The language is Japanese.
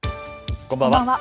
こんばんは。